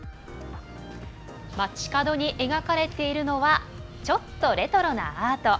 街角に描かれているのはちょっとレトロなアート。